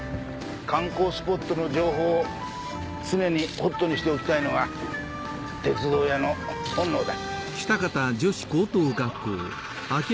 観光スポットの情報を常にホットにしておきたいのが鉄道屋の本能だ。